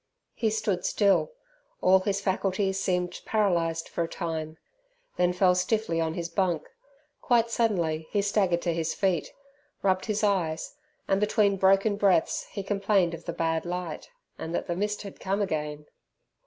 He stood still; all his faculties seemed paralysed for a time, then fell stiffly on his bunk. Quite suddenly he staggered to his feet, rubbed his eyes, and between broken breaths he complained of the bad light, and that the mist had come again.